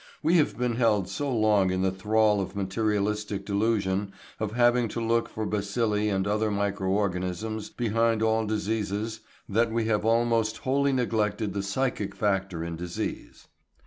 We have been held so long in the thrall of the materialistic delusion of having to look for bacilli and other micro organisms behind all diseases that we have almost wholly neglected the psychic factor in disease.